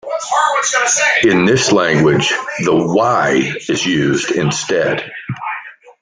In this language the "y" is used instead.